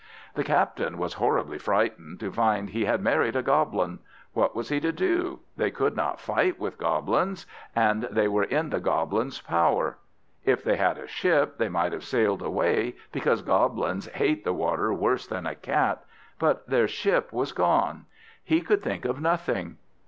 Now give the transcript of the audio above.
The captain was horribly frightened to find he had married a Goblin. What was he to do? They could not fight with Goblins, and they were in the Goblins' power. If they had a ship they might have sailed away, because Goblins hate the water worse than a cat; but their ship was gone. He could think of nothing.